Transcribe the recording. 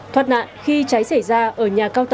thoát nạn khi cháy xảy ra ở nhà khách